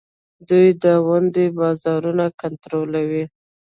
دوی د ونډو بازارونه کنټرولوي.